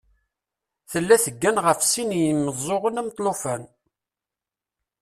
Tella teggan ɣef sin n yimeẓẓuɣen am lṭufan.